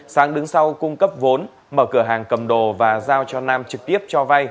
sáng đứng sau cung cấp vốn mở cửa hàng cầm đồ và giao cho nam trực tiếp cho vay